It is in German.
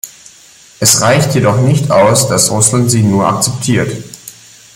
Es reicht jedoch nicht aus, dass Russland sie nur akzeptiert.